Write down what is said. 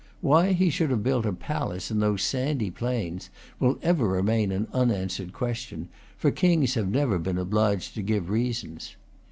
Why he should have built a palace in those sandy plains will ever remain an unanswered question, for kings have never been obliged to give reasons.